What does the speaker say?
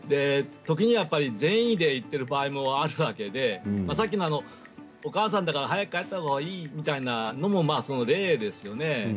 時には善意で言っている場合もあるわけでさっきのお母さんだから早く帰ったほうがいいみたいなのもその例ですよね。